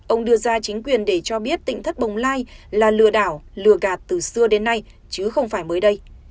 ông đưa ra chính quyền để cho biết tỉnh thất bồng lai là lừa đảo lừa gạt từ xưa đến nay chứ không phải mới đây